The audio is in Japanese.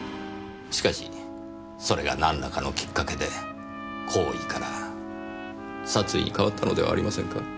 しかしそれが何らかのきっかけで好意から殺意に変わったのではありませんか？